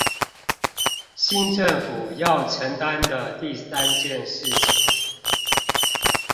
新政府要承擔的第三件事情